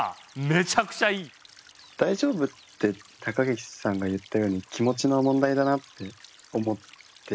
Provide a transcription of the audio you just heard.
「大丈夫」って高岸さんが言ったように気持ちの問題だなって思って。